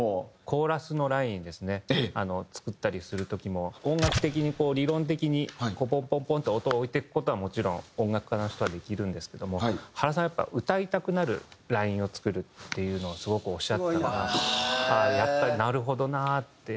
コーラスのラインですね作ったりする時も音楽的にこう理論的にポンポンポンと音を置いていく事はもちろん音楽家の人はできるんですけども原さんやっぱ歌いたくなるラインを作るっていうのをすごくおっしゃってたからやっぱりなるほどなって。